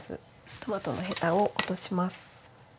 トマトのヘタを落とします。